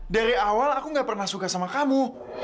dari awal aku gak pernah suka sama kamu